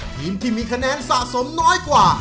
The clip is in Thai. ทีมที่มีคะแนนสะสมน้อยกว่า